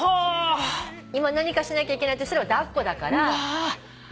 今何かしなきゃいけないとしたら抱っこだから。